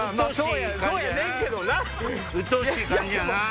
うっとうしい感じやな。